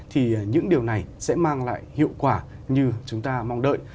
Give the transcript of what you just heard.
thì những điều này sẽ mang lại hiệu quả như chúng ta mong đợi